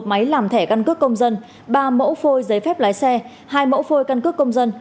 một mươi máy làm thẻ căn cước công dân ba mẫu phôi giấy phép lái xe hai mẫu phôi căn cước công dân